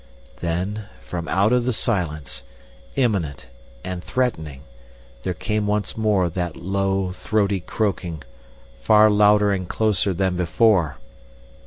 Then from out of the silence, imminent and threatening, there came once more that low, throaty croaking, far louder and closer than before.